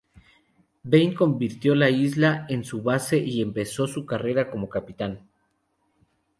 Vane convirtió la isla en su base y empezó su carrera como capitán.